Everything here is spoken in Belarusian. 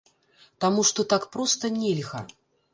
Таму што так проста нельга.